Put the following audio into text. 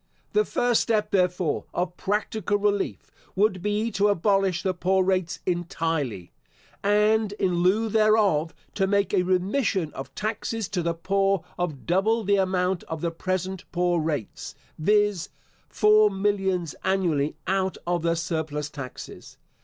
The first step, therefore, of practical relief, would be to abolish the poor rates entirely, and in lieu thereof, to make a remission of taxes to the poor of double the amount of the present poor rates, viz., four millions annually out of the surplus taxes.